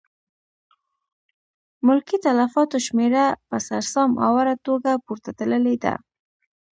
ملکي تلفاتو شمېره په سر سام اوره توګه پورته تللې ده.